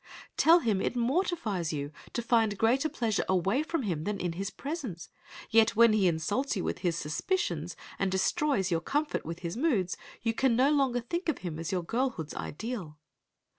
Tell him it mortifies you to find greater pleasure away from him than in his presence, yet when he insults you with his suspicions, and destroys your comfort with his moods, you can no longer think of him as your girlhood's ideal.